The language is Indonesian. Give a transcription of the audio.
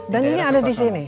dan ini ada di sini